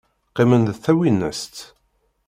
Qqimen d tawinest.